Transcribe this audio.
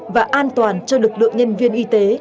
và an toàn cho lực lượng nhân viên y tế